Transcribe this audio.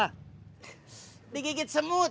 nggak kayak gitu semut